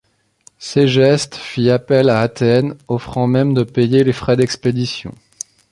Ségeste fit appel à Athènes, offrant même de payer les frais d'expédition.